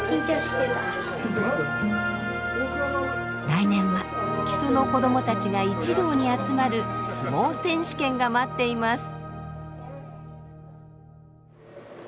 来年は木曽の子どもたちが一堂に集まる相撲選手権が待っています。